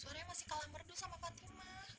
suaranya masih kalah merdu sama patrima